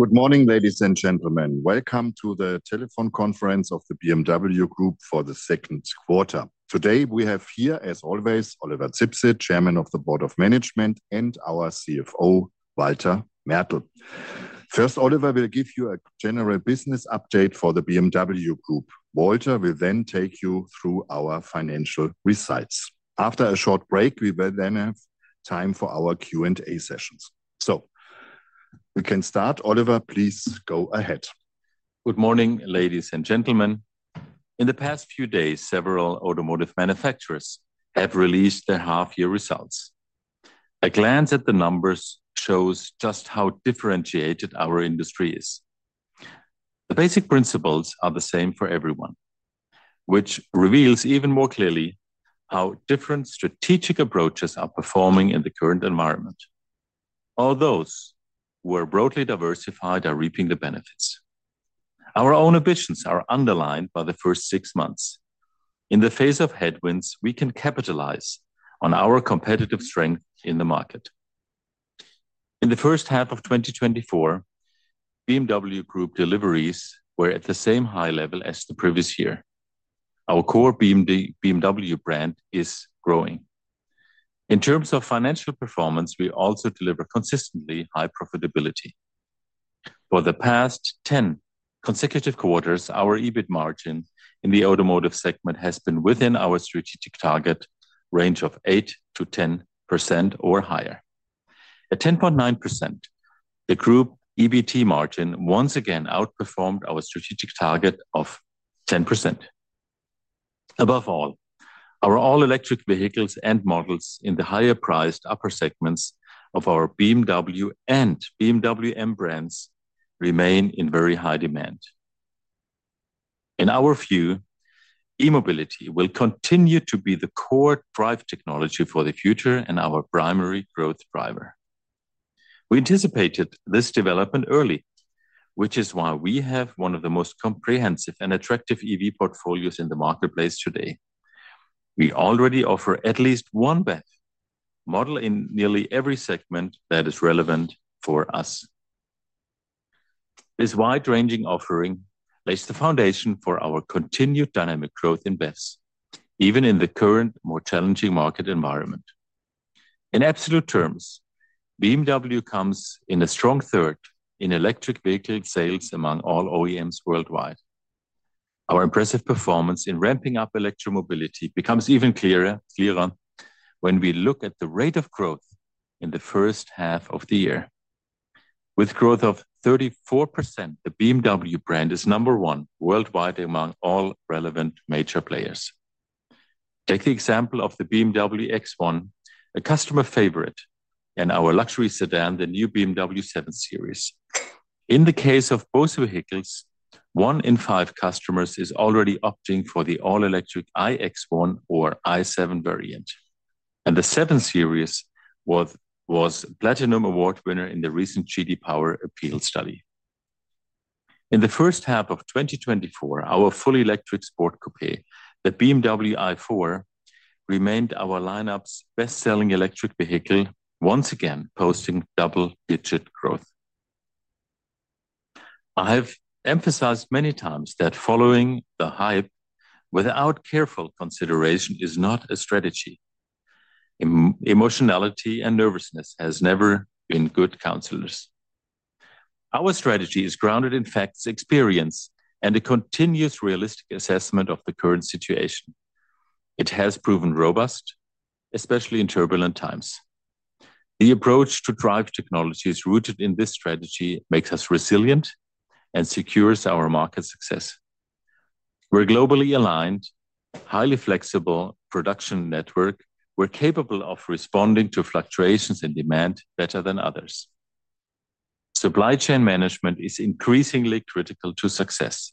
Good morning, ladies and gentlemen. Welcome to the Telephone Conference of the BMW Group for the Second Quarter. Today, we have here, as always, Oliver Zipse, Chairman of the Board of Management, and our CFO, Walter Mertl. First, Oliver will give you a general business update for the BMW Group. Walter will then take you through our financial results. After a short break, we will then have time for our Q&A sessions. So we can start. Oliver, please go ahead. Good morning, ladies and gentlemen. In the past few days, several automotive manufacturers have released their half-year results. A glance at the numbers shows just how differentiated our industry is. The basic principles are the same for everyone, which reveals even more clearly how different strategic approaches are performing in the current environment. All those who are broadly diversified are reaping the benefits. Our own ambitions are underlined by the first six months. In the face of headwinds, we can capitalize on our competitive strength in the market. In the first half of 2024, BMW Group deliveries were at the same high level as the previous year. Our core BMW brand is growing. In terms of financial performance, we also deliver consistently high profitability. For the past 10 consecutive quarters, our EBIT margin in the automotive segment has been within our strategic target range of 8%-10% or higher. At 10.9%, the group EBT margin once again outperformed our strategic target of 10%. Above all, our all-electric vehicles and models in the higher-priced upper segments of our BMW and BMW M brands remain in very high demand. In our view, e-mobility will continue to be the core drive technology for the future and our primary growth driver. We anticipated this development early, which is why we have one of the most comprehensive and attractive EV portfolios in the marketplace today. We already offer at least one BEV model in nearly every segment that is relevant for us. This wide-ranging offering lays the foundation for our continued dynamic growth in BEVs, even in the current, more challenging market environment. In absolute terms, BMW comes in a strong third in electric vehicle sales among all OEMs worldwide. Our impressive performance in ramping up electromobility becomes even clearer when we look at the rate of growth in the first half of the year. With growth of 34%, the BMW brand is number one worldwide among all relevant major players. Take the example of the BMW X1, a customer favorite, and our luxury sedan, the new BMW 7 Series. In the case of both vehicles, one in five customers is already opting for the all-electric iX1 or i7 variant, and the 7 Series was Platinum Award winner in the recent J.D. Power APEAL Study. In the first half of 2024, our fully electric sport coupe, the BMW i4, remained our lineup's best-selling electric vehicle, once again posting double-digit growth. I've emphasized many times that following the hype without careful consideration is not a strategy. Emotionality and nervousness has never been good counselors. Our strategy is grounded in facts, experience, and a continuous realistic assessment of the current situation. It has proven robust, especially in turbulent times. The approach to drive technology is rooted in this strategy, makes us resilient, and secures our market success. We're a globally aligned, highly flexible production network. We're capable of responding to fluctuations in demand better than others. Supply chain management is increasingly critical to success.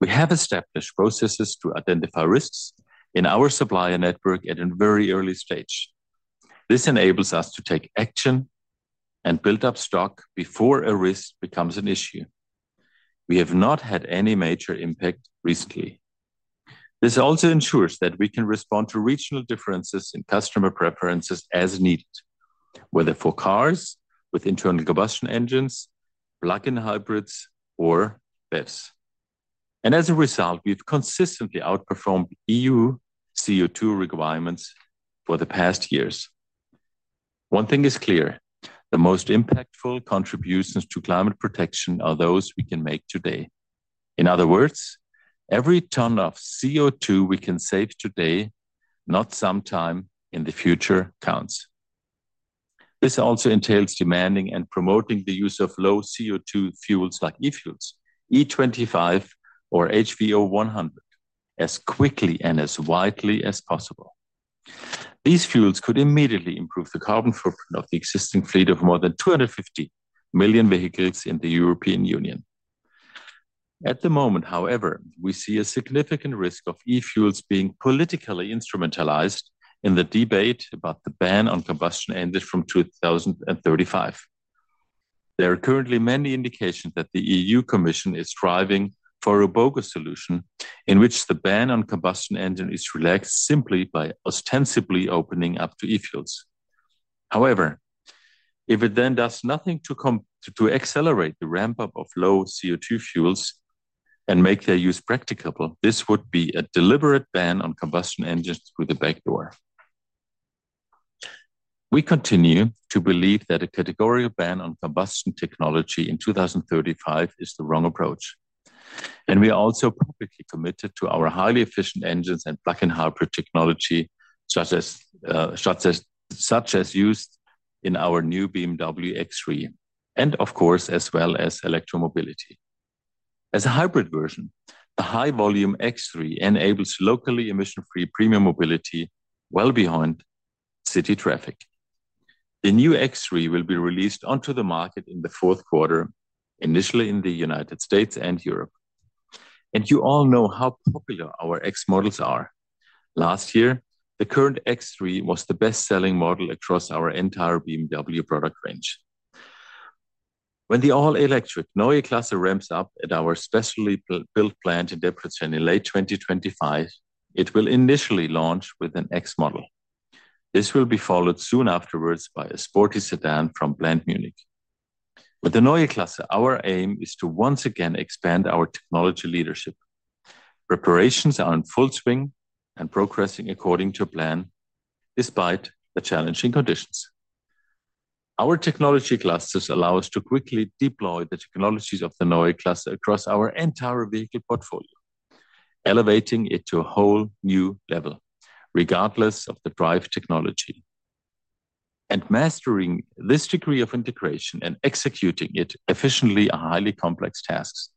We have established processes to identify risks in our supplier network at a very early stage. This enables us to take action and build up stock before a risk becomes an issue. We have not had any major impact recently. This also ensures that we can respond to regional differences in customer preferences as needed, whether for cars with internal combustion engines, plug-in hybrids, or BEVs. As a result, we've consistently outperformed EU CO2 requirements for the past years. One thing is clear: the most impactful contributions to climate protection are those we can make today. In other words, every ton of CO2 we can save today, not sometime in the future, counts. This also entails demanding and promoting the use of low-CO2 fuels, like e-fuels, E25 or HVO100, as quickly and as widely as possible. These fuels could immediately improve the carbon footprint of the existing fleet of more than 250 million vehicles in the European Union. At the moment, however, we see a significant risk of e-fuels being politically instrumentalized in the debate about the ban on combustion engines from 2035. There are currently many indications that the EU Commission is striving for a bogus solution in which the ban on combustion engine is relaxed simply by ostensibly opening up to e-fuels. However, if it then does nothing to accelerate the ramp-up of low CO2 fuels and make their use practicable, this would be a deliberate ban on combustion engines through the back door. We continue to believe that a category ban on combustion technology in 2035 is the wrong approach, and we are also publicly committed to our highly efficient engines and plug-in hybrid technology, such as used in our new BMW X3, and of course, as well as electromobility. As a hybrid version, the high-volume X3 enables locally emission-free premium mobility well beyond city traffic. The new X3 will be released onto the market in the fourth quarter, initially in the United States and Europe. And you all know how popular our X models are. Last year, the current X3 was the best-selling model across our entire BMW product range. When the all-electric Neue Klasse ramps up at our specially built plant in Debrecen in late 2025, it will initially launch with an X model. This will be followed soon afterwards by a sporty sedan from Plant Munich. With the Neue Klasse, our aim is to once again expand our technology leadership. Preparations are in full swing and progressing according to plan, despite the challenging conditions. Our technology classes allow us to quickly deploy the technologies of the Neue Klasse across our entire vehicle portfolio, elevating it to a whole new level, regardless of the drive technology. Mastering this degree of integration and executing it efficiently are highly complex tasks.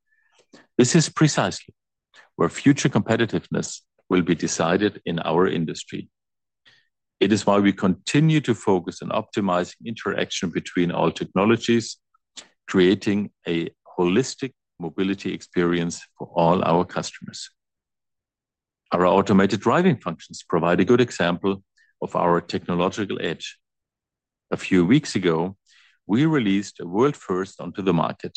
This is precisely where future competitiveness will be decided in our industry. It is why we continue to focus on optimizing interaction between our technologies, creating a holistic mobility experience for all our customers. Our automated driving functions provide a good example of our technological edge. A few weeks ago, we released a world first onto the market.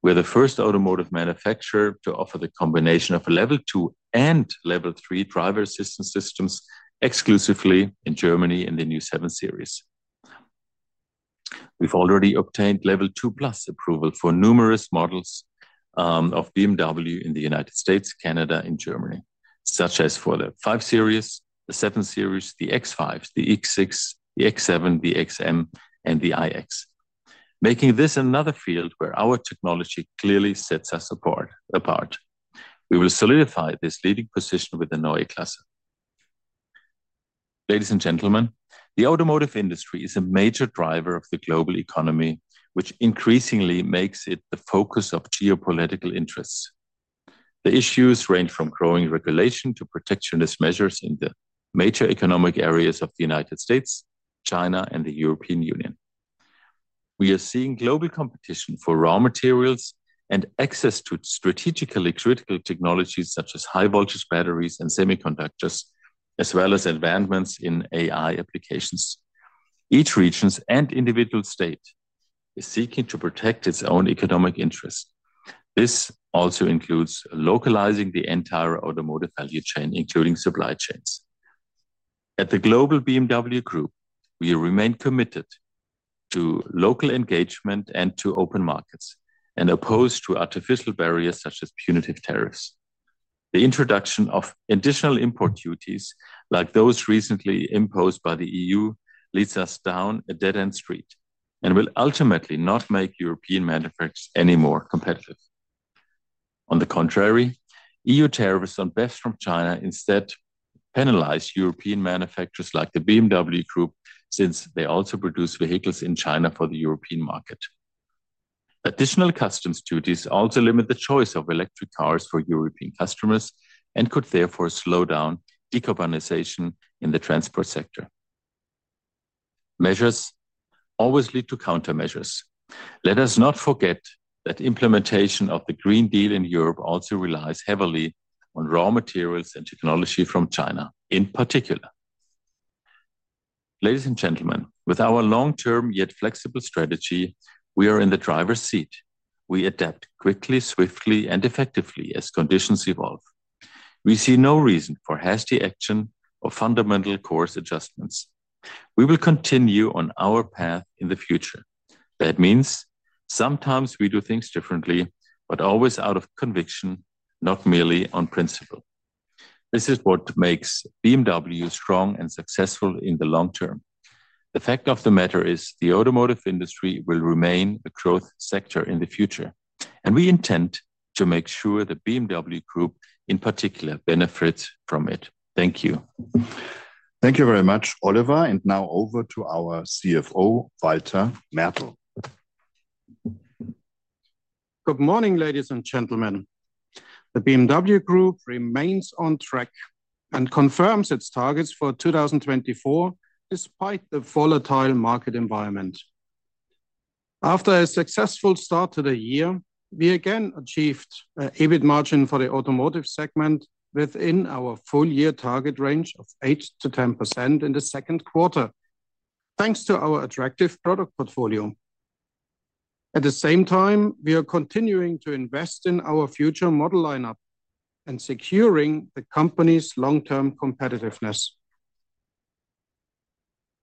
We're the first automotive manufacturer to offer the combination of a Level 2 and Level 3 driver assistance systems exclusively in Germany in the new 7 Series. We've already obtained Level 2+ approval for numerous models, of BMW in the United States, Canada, and Germany, such as for the 5 Series, the 7 Series, the X5, the X6, the X7, the XM, and the iX, making this another field where our technology clearly sets us apart. We will solidify this leading position with the Neue Klasse. Ladies and gentlemen, the automotive industry is a major driver of the global economy, which increasingly makes it the focus of geopolitical interests. The issues range from growing regulation to protectionist measures in the major economic areas of the United States, China, and the European Union. We are seeing global competition for raw materials and access to strategically critical technologies, such as high-voltage batteries and semiconductors, as well as advancements in AI applications. Each region and individual state is seeking to protect its own economic interests. This also includes localizing the entire automotive value chain, including supply chains. At the global BMW Group, we remain committed to local engagement and to open markets, and opposed to artificial barriers such as punitive tariffs. The introduction of additional import duties, like those recently imposed by the EU, leads us down a dead-end street and will ultimately not make European manufacturers any more competitive. On the contrary, EU tariffs on goods from China instead penalize European manufacturers like the BMW Group, since they also produce vehicles in China for the European market. Additional customs duties also limit the choice of electric cars for European customers and could therefore slow down decarbonization in the transport sector. Measures always lead to countermeasures. Let us not forget that implementation of the Green Deal in Europe also relies heavily on raw materials and technology from China in particular. Ladies and gentlemen, with our long-term yet flexible strategy, we are in the driver's seat. We adapt quickly, swiftly, and effectively as conditions evolve. We see no reason for hasty action or fundamental course adjustments. We will continue on our path in the future. That means sometimes we do things differently, but always out of conviction, not merely on principle. This is what makes BMW strong and successful in the long term. The fact of the matter is, the automotive industry will remain a growth sector in the future, and we intend to make sure the BMW Group, in particular, benefits from it. Thank you. Thank you very much, Oliver, and now over to our CFO, Walter Mertl. Good morning, ladies and gentlemen. The BMW Group remains on track and confirms its targets for 2024, despite the volatile market environment. After a successful start to the year, we again achieved an EBIT margin for the automotive segment within our full-year target range of 8%-10% in the second quarter, thanks to our attractive product portfolio. At the same time, we are continuing to invest in our future model lineup and securing the company's long-term competitiveness.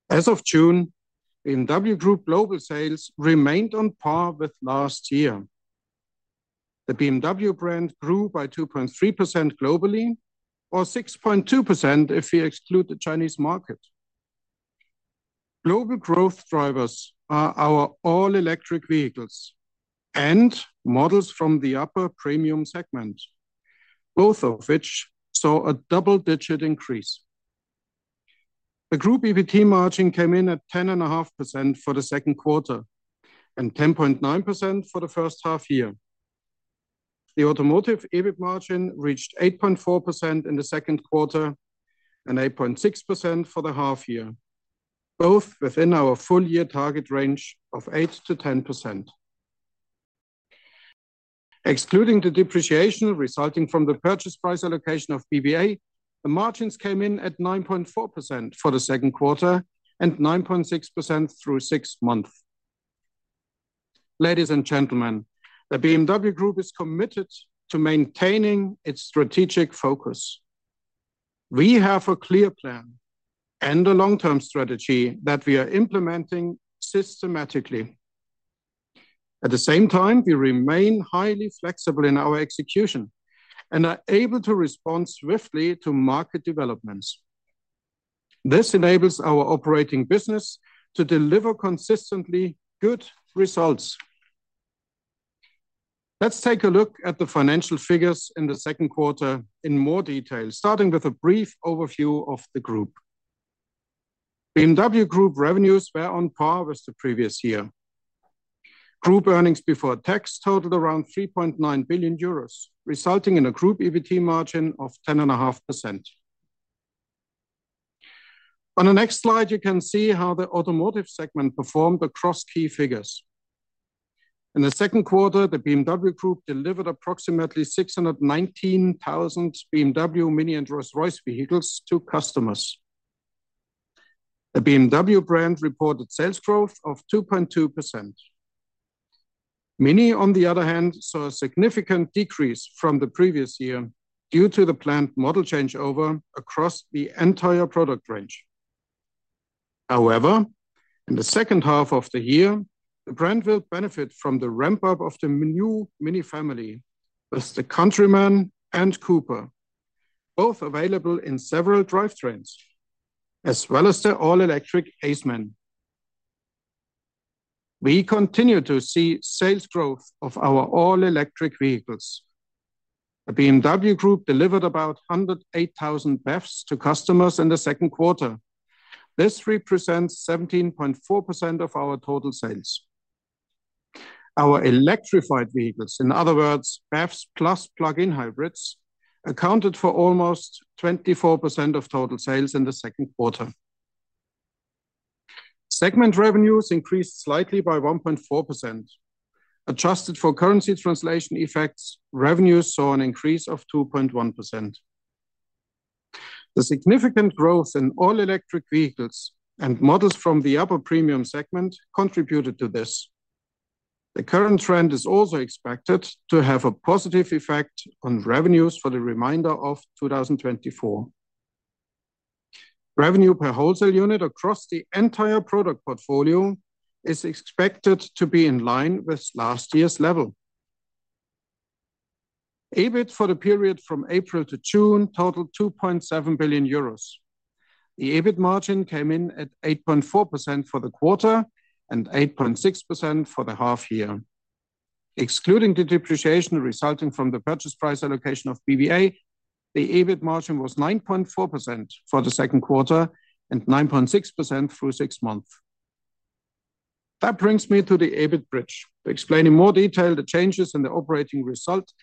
As of June, BMW Group global sales remained on par with last year. The BMW brand grew by 2.3% globally, or 6.2% if we exclude the Chinese market. Global growth drivers are our all-electric vehicles and models from the upper premium segment, both of which saw a double-digit increase. The Group EBIT margin came in at 10.5% for the second quarter and 10.9% for the first half year. The Automotive EBIT margin reached 8.4% in the second quarter and 8.6% for the half year, both within our full year target range of 8%-10%. Excluding the depreciation resulting from the purchase price allocation of BBA, the margins came in at 9.4% for the second quarter and 9.6% through six months. Ladies and gentlemen, the BMW Group is committed to maintaining its strategic focus. We have a clear plan and a long-term strategy that we are implementing systematically. At the same time, we remain highly flexible in our execution and are able to respond swiftly to market developments. This enables our operating business to deliver consistently good results. Let's take a look at the financial figures in the second quarter in more detail, starting with a brief overview of the group. BMW Group revenues were on par with the previous year. Group earnings before tax totaled around 3.9 billion euros, resulting in a group EBIT margin of 10.5%. On the next slide, you can see how the automotive segment performed across key figures. In the second quarter, the BMW Group delivered approximately 619,000 BMW, MINI, and Rolls-Royce vehicles to customers. The BMW brand reported sales growth of 2.2%. MINI, on the other hand, saw a significant decrease from the previous year due to the planned model changeover across the entire product range. However, in the second half of the year, the brand will benefit from the ramp-up of the new MINI family with the Countryman and Cooper, both available in several drivetrains, as well as the all-electric Aceman. We continue to see sales growth of our all-electric vehicles. The BMW Group delivered about 108,000 BEVs to customers in the second quarter. This represents 17.4% of our total sales. Our electrified vehicles, in other words, BEVs plus plug-in hybrids, accounted for almost 24% of total sales in the second quarter. Segment revenues increased slightly by 1.4%. Adjusted for currency translation effects, revenues saw an increase of 2.1%. The significant growth in all-electric vehicles and models from the upper premium segment contributed to this. The current trend is also expected to have a positive effect on revenues for the remainder of 2024. Revenue per wholesale unit across the entire product portfolio is expected to be in line with last year's level. EBIT for the period from April to June totaled 2.7 billion euros. The EBIT margin came in at 8.4% for the quarter and 8.6% for the half year. Excluding the depreciation resulting from the purchase price allocation of BBA, the EBIT margin was 9.4% for the second quarter and 9.6% through six months. That brings me to the EBIT bridge, to explain in more detail the changes in the operating results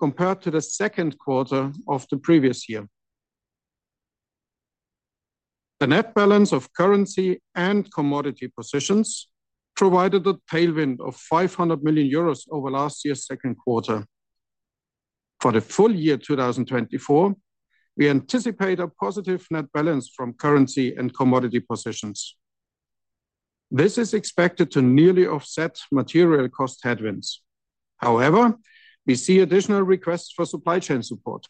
compared to the second quarter of the previous year. The net balance of currency and commodity positions provided a tailwind of 500 million euros over last year's second quarter. For the full year 2024, we anticipate a positive net balance from currency and commodity positions. This is expected to nearly offset material cost headwinds. However, we see additional requests for supply chain support.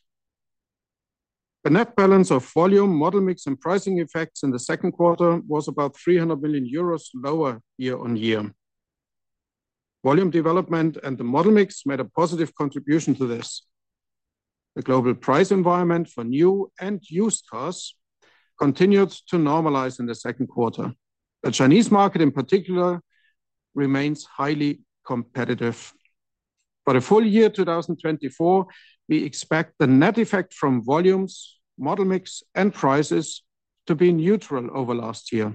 The net balance of volume, model mix, and pricing effects in the second quarter was about 300 million euros lower year-on-year. Volume development and the model mix made a positive contribution to this. The global price environment for new and used cars continued to normalize in the second quarter. The Chinese market, in particular, remains highly competitive. For the full year 2024, we expect the net effect from volumes, model mix, and prices to be neutral over last year.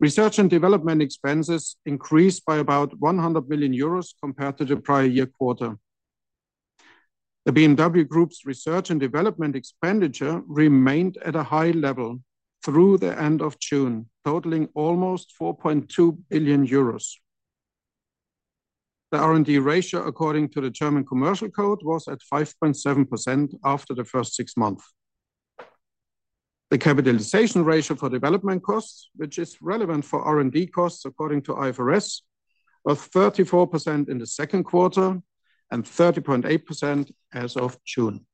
Research and development expenses increased by about 100 million euros compared to the prior year quarter. The BMW Group's research and development expenditure remained at a high level through the end of June, totaling almost 4.2 billion euros. The R&D ratio, according to the German Commercial Code, was at 5.7% after the first six months.... The capitalization ratio for development costs, which is relevant for R&D costs according to IFRS, of 34% in the second quarter and 30.8% as of June.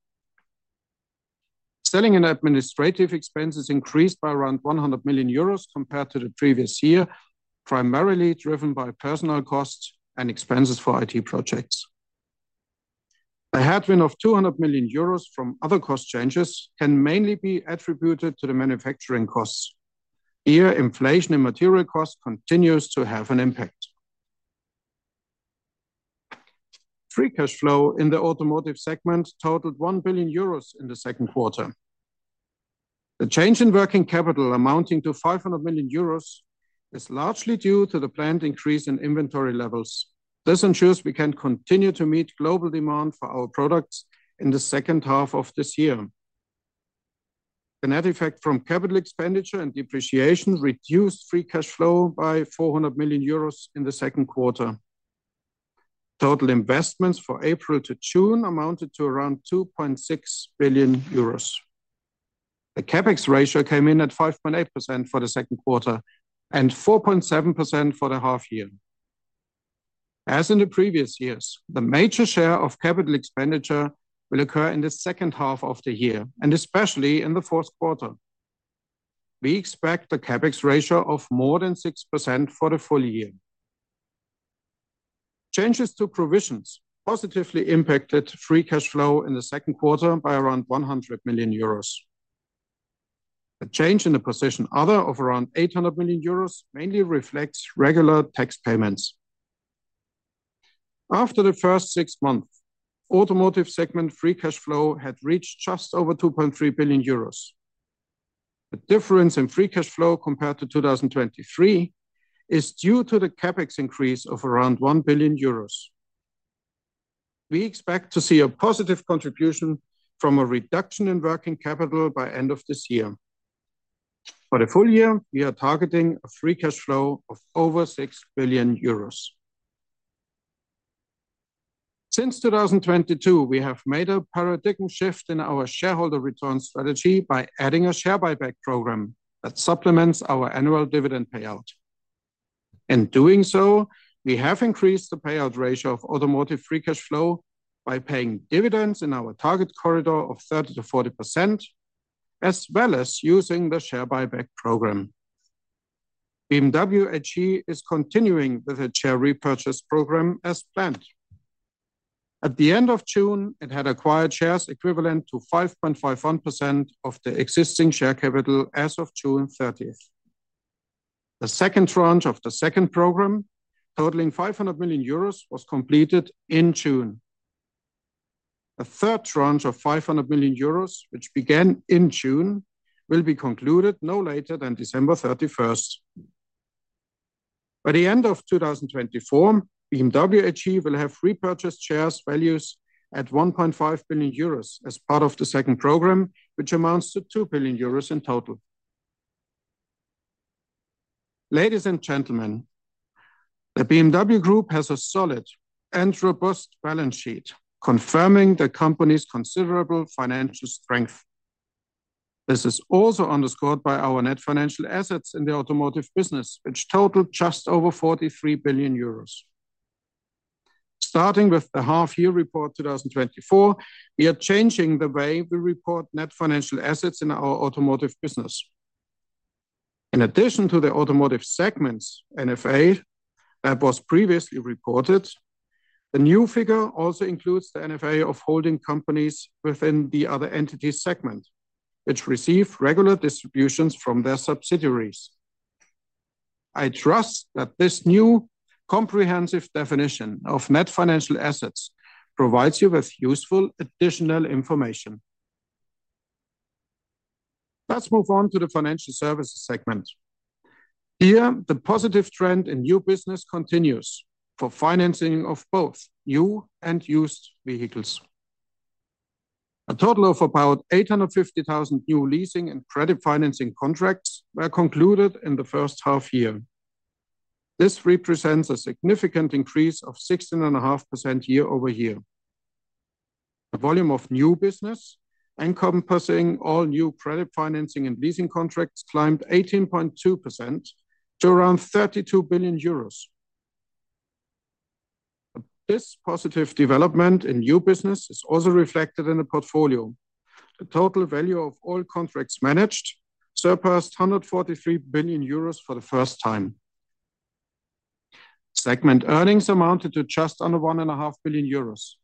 Selling and administrative expenses increased by around 100 million euros compared to the previous year, primarily driven by personnel costs and expenses for IT projects. A headwind of 200 million euros from other cost changes can mainly be attributed to the manufacturing costs. Here, inflation and material costs continues to have an impact. Free cash flow in the automotive segment totaled 1 billion euros in the second quarter. The change in working capital amounting to 500 million euros is largely due to the planned increase in inventory levels. This ensures we can continue to meet global demand for our products in the second half of this year. The net effect from capital expenditure and depreciation reduced free cash flow by 400 million euros in the second quarter. Total investments for April to June amounted to around 2.6 billion euros. The CapEx ratio came in at 5.8% for the second quarter and 4.7% for the half year. As in the previous years, the major share of capital expenditure will occur in the second half of the year, and especially in the fourth quarter. We expect a CapEx ratio of more than 6% for the full year. Changes to provisions positively impacted free cash flow in the second quarter by around 100 million euros. A change in the position other of around 800 million euros mainly reflects regular tax payments. After the first six months, automotive segment free cash flow had reached just over 2.3 billion euros. The difference in free cash flow compared to 2023 is due to the CapEx increase of around 1 billion euros. We expect to see a positive contribution from a reduction in working capital by end of this year. For the full year, we are targeting a free cash flow of over 6 billion euros. Since 2022, we have made a paradigm shift in our shareholder return strategy by adding a share buyback program that supplements our annual dividend payout. In doing so, we have increased the payout ratio of automotive free cash flow by paying dividends in our target corridor of 30%-40%, as well as using the share buyback program. BMW AG is continuing with the share repurchase program as planned. At the end of June, it had acquired shares equivalent to 5.51% of the existing share capital as of June 30. The second tranche of the second program, totaling 500 million euros, was completed in June. A third tranche of 500 million euros, which began in June, will be concluded no later than December 31. By the end of 2024, BMW AG will have repurchased shares valued at 1.5 billion euros as part of the second program, which amounts to 2 billion euros in total. Ladies and gentlemen, the BMW Group has a solid and robust balance sheet, confirming the company's considerable financial strength. This is also underscored by our net financial assets in the automotive business, which totaled just over 43 billion euros. Starting with the half-year report 2024, we are changing the way we report net financial assets in our automotive business. In addition to the automotive segment's NFA that was previously reported, the new figure also includes the NFA of holding companies within the other entities segment, which receive regular distributions from their subsidiaries. I trust that this new comprehensive definition of net financial assets provides you with useful additional information. Let's move on to the financial services segment. Here, the positive trend in new business continues for financing of both new and used vehicles. A total of about 850,000 new leasing and credit financing contracts were concluded in the first half year. This represents a significant increase of 16.5% year-over-year. The volume of new business, encompassing all new credit financing and leasing contracts, climbed 18.2% to around EUR 32 billion. This positive development in new business is also reflected in the portfolio. The total value of all contracts managed surpassed 143 billion euros for the first time. Segment earnings amounted to just under 1.5 billion euros.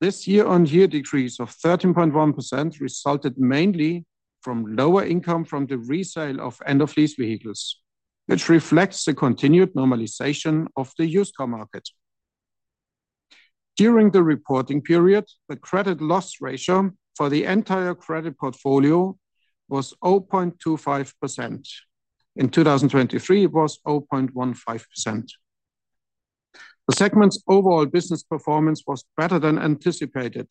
This year-on-year decrease of 13.1% resulted mainly from lower income from the resale of end-of-lease vehicles, which reflects the continued normalization of the used car market. During the reporting period, the credit loss ratio for the entire credit portfolio was 0.25%. In 2023, it was 0.15%. The segment's overall business performance was better than anticipated,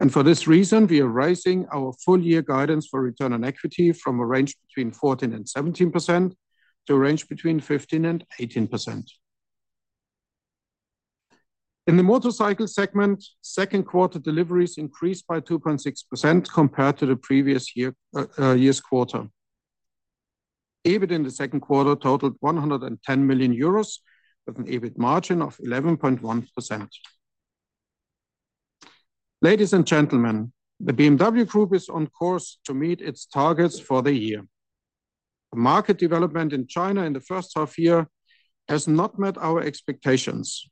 and for this reason, we are raising our full year guidance for return on equity from a range between 14% and 17% to a range between 15% and 18%.... In the motorcycle segment, second quarter deliveries increased by 2.6% compared to the previous year's quarter. EBIT in the second quarter totaled 110 million euros, with an EBIT margin of 11.1%. Ladies and gentlemen, the BMW Group is on course to meet its targets for the year. The market development in China in the first half year has not met our expectations,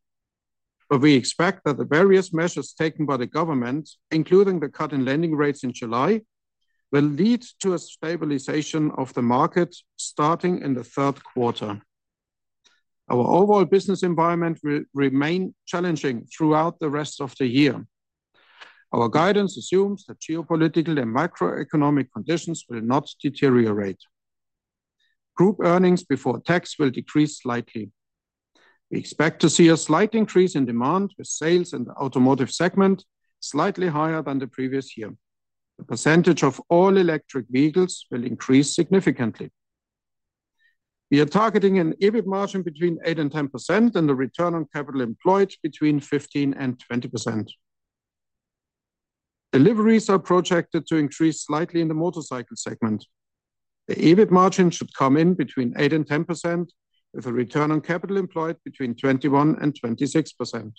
but we expect that the various measures taken by the government, including the cut in lending rates in July, will lead to a stabilization of the market starting in the third quarter. Our overall business environment will remain challenging throughout the rest of the year. Our guidance assumes that geopolitical and macroeconomic conditions will not deteriorate. Group earnings before tax will decrease slightly. We expect to see a slight increase in demand, with sales in the automotive segment slightly higher than the previous year. The percentage of all-electric vehicles will increase significantly. We are targeting an EBIT margin between 8% and 10% and a return on capital employed between 15% and 20%. Deliveries are projected to increase slightly in the motorcycle segment. The EBIT margin should come in between 8% and 10%, with a return on capital employed between 21% and 26%.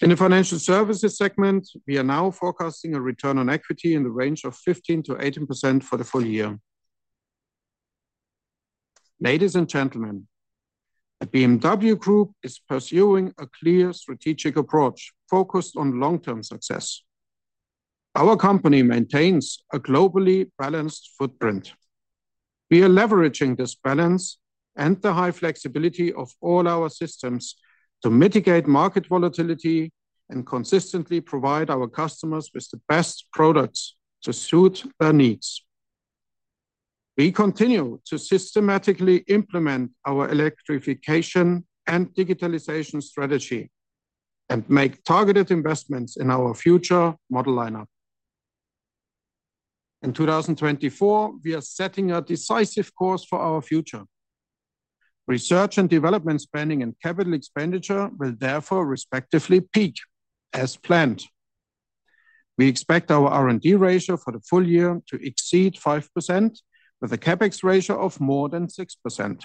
In the financial services segment, we are now forecasting a return on equity in the range of 15%-18% for the full year. Ladies and gentlemen, the BMW Group is pursuing a clear strategic approach focused on long-term success. Our company maintains a globally balanced footprint. We are leveraging this balance and the high flexibility of all our systems to mitigate market volatility and consistently provide our customers with the best products to suit their needs. We continue to systematically implement our electrification and digitalization strategy and make targeted investments in our future model lineup. In 2024, we are setting a decisive course for our future. Research and development spending and capital expenditure will therefore respectively peak as planned. We expect our R&D ratio for the full year to exceed 5%, with a CapEx ratio of more than 6%.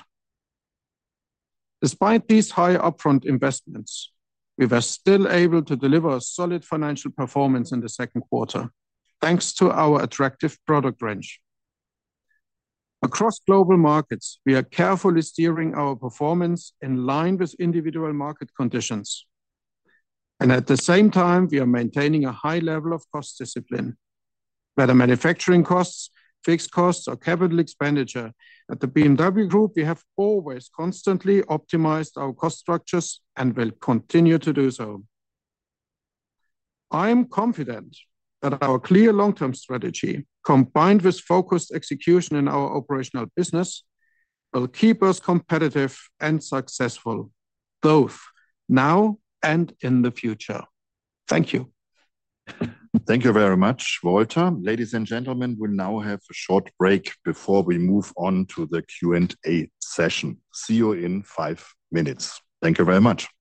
Despite these high upfront investments, we were still able to deliver a solid financial performance in the second quarter, thanks to our attractive product range. Across global markets, we are carefully steering our performance in line with individual market conditions, and at the same time, we are maintaining a high level of cost discipline. Whether manufacturing costs, fixed costs, or capital expenditure, at the BMW Group, we have always constantly optimized our cost structures and will continue to do so. I am confident that our clear long-term strategy, combined with focused execution in our operational business, will keep us competitive and successful, both now and in the future. Thank you. Thank you very much, Walter. Ladies and gentlemen, we'll now have a short break before we move on to the Q&A session. See you in five minutes. Thank you very much!